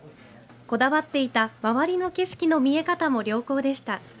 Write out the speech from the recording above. こだわっていた周りの景色の見え方も良好でした。